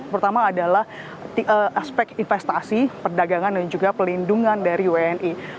pertama adalah aspek investasi perdagangan dan juga pelindungan dari wni